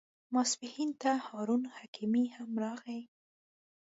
ماپښین ته هارون حکیمي هم راغی.